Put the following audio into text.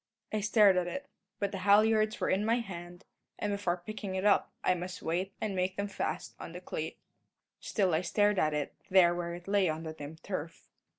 I stared at it; but the halliards were in my hand, and before picking it up I must wait and make them fast on the cleat. Still I stared at it, there where it lay on the dim turf.